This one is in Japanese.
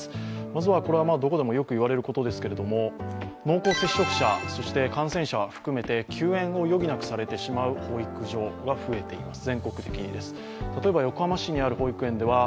まずは、これはどこでもよく言われることですけれども、濃厚接触者、感染者含めて休園を余儀なくされている保育所が増えています。